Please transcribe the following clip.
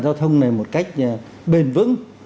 giao thông này một cách bền vững